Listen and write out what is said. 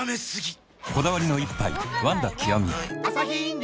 こだわりの一杯「ワンダ極」